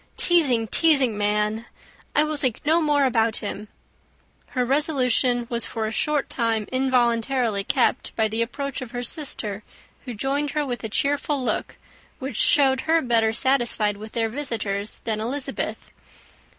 Teasing, teasing man! I will think no more about him." Her resolution was for a short time involuntarily kept by the approach of her sister, who joined her with a cheerful look which showed her better satisfied with their visitors than Elizabeth.